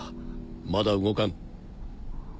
まだ動かぬ。